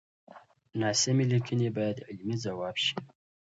ناسمې ليکنې بايد علمي ځواب شي.